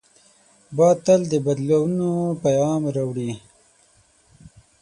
باد تل د بدلونو پیغام راوړي